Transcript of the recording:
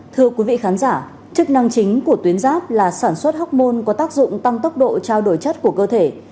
thưa quý vị khán giả chức năng chính của tuyến giáp là sản xuất hóc môn có tác dụng tăng tốc độ trao đổi chất của cơ thể